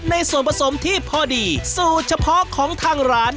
ในส่วนผสมที่พอดีสูตรเฉพาะของทางร้าน